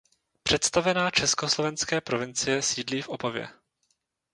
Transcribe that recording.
Představená československé provincie sídlí v Opavě.